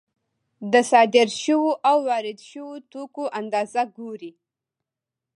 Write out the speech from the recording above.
د صادر شویو او وارد شویو توکو اندازه ګوري